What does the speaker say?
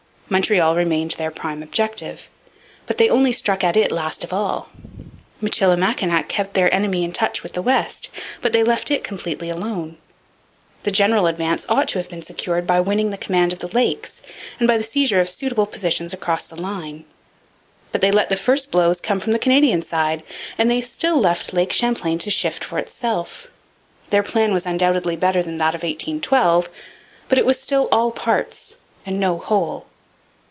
Montreal remained their prime objective. But they only struck at it last of all. Michilimackinac kept their enemy in touch with the West. But they left it completely alone. Their general advance ought to have been secured by winning the command of the Lakes and by the seizure of suitable positions across the line. But they let the first blows come from the Canadian side; and they still left Lake Champlain to shift for itself. Their plan was undoubtedly better than that of 1812. But it was still all parts and no whole.